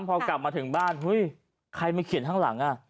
พอกลับมาถึงบ้านเฮ้ยใครมาเขียนข้างหลังอ่ะ